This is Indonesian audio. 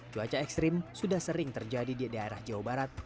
cuaca ekstrim sudah sering terjadi di daerah jawa barat